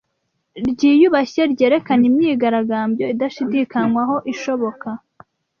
ryiyubashye ryerekana imyigaragambyo "idashidikanywaho" ishoboka